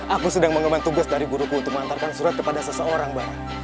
aku sedang mengemen tugas dari guruku untuk mengantarkan surat kepada seseorang bang